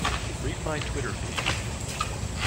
Read my Twitter feed.